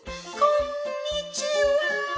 「こんにちは」。